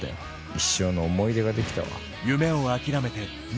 一生の思い出ができたわ。